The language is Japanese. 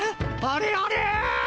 あれあれ？